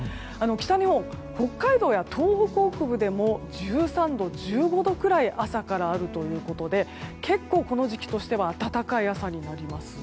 北日本、北海道や東北北部でも１３度、１５度くらい朝からあるということで結構、この時期としては暖かい朝になります。